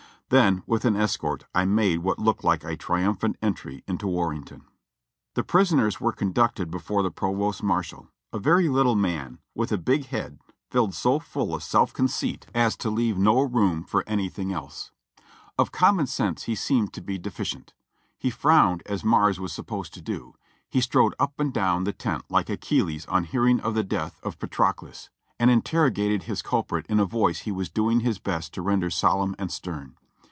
Then, with an escort, I made what looked like a triumphant entry into Warrenton. The prisoners were conducted before the provost marshal, a very little man. with a big head filled so full of self conceit as to CAPTURED 453 leave no room for anything else. Of common sense he seemed to be deficient. He frowned as ^Nlars was supposed to do ; he strode up and down the tent like Achilles on hearing of the death of Patroclus. and interrogated his culprit in a voice he was doing his best to render solemn and stern.